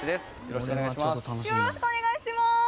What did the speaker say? よろしくお願いします。